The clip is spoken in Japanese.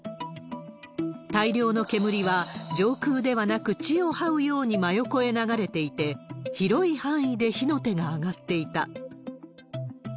大量の煙は上空ではなく、地をはうように真横へ流れていて、広い範囲で火の手が上がっていた。